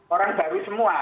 orang baru semua